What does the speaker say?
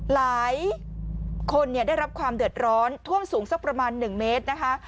หลายคนได้รับความเดือดร้อนท่วมสูงสักประมาณ๑เมตรนะคะ